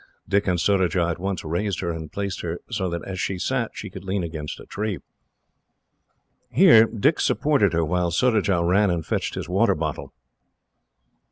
Dick and Surajah at once raised her, and placed her so that, as she sat, she could lean against a tree. Here Dick supported her, while Surajah ran and fetched his water bottle.